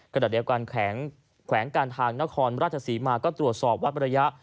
ขณะเดียวกันแขวงการทางนครราชศรีมาก็ตรวจสอบวัดระยะ